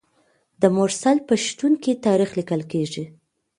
د مرسل په شتون کې تاریخ لیکل کیږي.